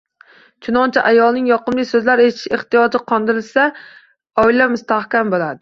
Chunonchi, ayolning yoqimli so‘zlar eshitish ehtiyoji qondirilsa, oila mustahkam bo‘ladi.